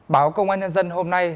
báo công an nhân dân hôm nay